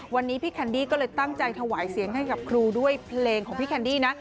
วันนี้พี่แคนดี้ก็เลยตั้งใจถวายเสียงให้กับครูด้วยเพลงของพี่แคนดี้นะ